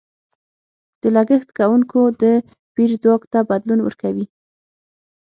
د لګښت کوونکو د پېر ځواک ته بدلون ورکوي.